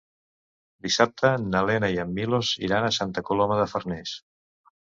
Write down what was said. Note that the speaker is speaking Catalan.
Dissabte na Lena i en Milos iran a Santa Coloma de Farners.